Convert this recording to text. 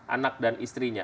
anak dan istrinya